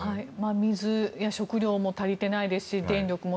水や食料も足りてないですし電力も。